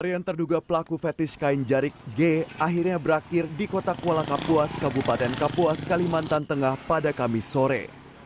pencarian terduga pelaku fetis kain jarik g akhirnya berakhir di kota kuala kapuas kabupaten kapuas kalimantan tengah pada kamis sore